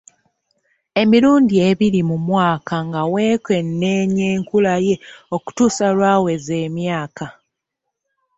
Emirundi ebiri mu mwaka nga wekwekenneenya enkula ye okutuusa lw'aweza emyaka.